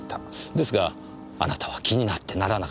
ですがあなたは気になってならなかった。